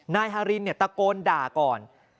นายฮารินตะโกนด่าก่อน